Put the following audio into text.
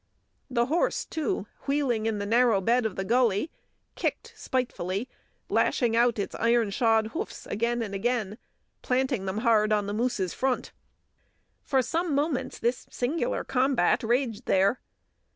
The horse, too, wheeling in the narrow bed of the gully, kicked spitefully, lashing out its iron shod hoofs again and again, planting them hard on the moose's front. For some moments this singular combat raged there.